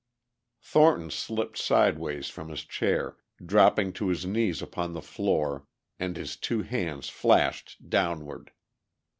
Thornton slipped sideways from his chair, dropping to his knees upon the floor, and his two hands flashed downward.